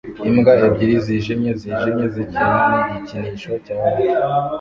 Imbwa ebyiri zijimye zijimye zikina nigikinisho cya orange